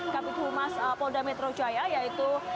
kabit humas polda metro jaya yaitu